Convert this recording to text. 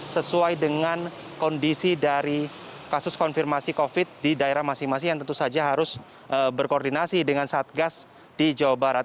sesuai dengan kondisi dari kasus konfirmasi covid di daerah masing masing yang tentu saja harus berkoordinasi dengan satgas di jawa barat